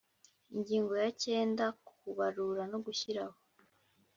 Ingingo ya icyenda: Kubarura no gushyiraho